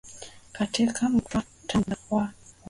katika mkutadha wa wa